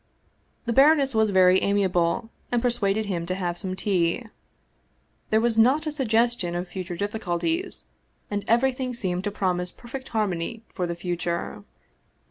The baroness was very amiable, and persuaded him to have some tea. There was not a suggestion of 238 Vsevolod Vladimir 'ovitch Krcstovski future difficulties, and everything seemed to promise per fect harmony for the future.